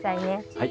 はい。